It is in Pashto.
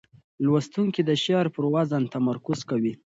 لوستونکي د شعر پر وزن تمرکز کوي.